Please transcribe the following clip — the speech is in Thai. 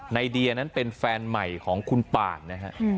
ในเดียนั้นเป็นแฟนใหม่ของคุณป่านนะฮะ